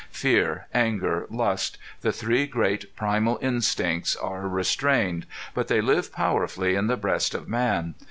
Fear, anger, lust, the three great primal instincts are restrained, but they live powerfully in the breast of man.